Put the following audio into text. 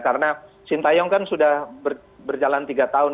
karena sinteyong kan sudah berjalan tiga tahun